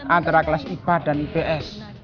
antara kelas ipa dan ips